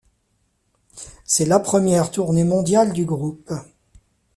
C'est la première tournée mondiale du groupe.